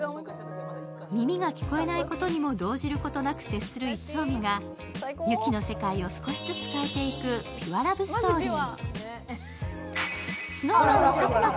耳が聞こえないことにも動じることなく接する逸臣が雪の世界を少しずつ変えていくピュアラブストーリー。